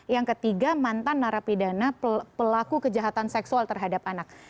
yang ketiga mantan narapidana pelaku kejahatan seksual terhadap anak